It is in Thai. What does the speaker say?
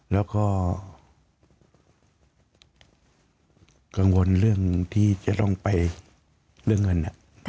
แล้วก็กังวลเรื่องที่จะต้องไปเรื่องเงิน